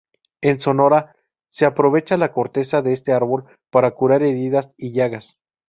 En Sonora, se aprovecha la corteza de este árbol para curar heridas y llagas.